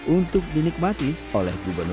untuk dinikmati nasi goreng